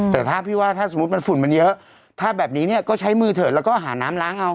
แต่ถ้าพี่ว่าถ้าสมมุติมันฝุ่นมันเยอะถ้าแบบนี้เนี่ยก็ใช้มือเถอะแล้วก็หาน้ำล้างเอา